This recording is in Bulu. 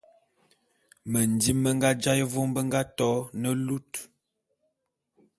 Mendim me nga jaé vôm be nga to ne lut.